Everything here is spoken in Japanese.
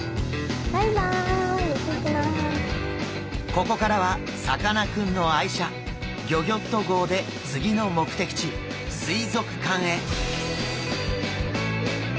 ここからはさかなクンの愛車ギョギョッと号で次の目的地水族館へ！